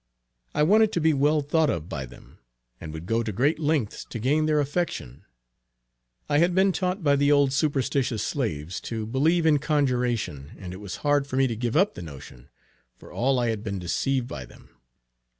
I wanted to be well thought of by them, and would go to great lengths to gain their affection. I had been taught by the old superstitious slaves, to believe in conjuration, and it was hard for me to give up the notion, for all I had been deceived by them.